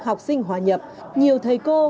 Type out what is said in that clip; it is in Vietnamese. học sinh hòa nhập nhiều thầy cô